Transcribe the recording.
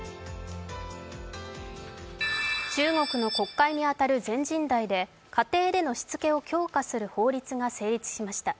中国の国会に当たる全人代で家庭でのしつけを強化する法律が成立しました。